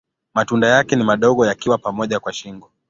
Matunda yake ni madogo yakiwa pamoja kwa shingo.